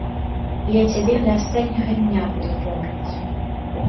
Я цябе да астатняга дня буду помніць.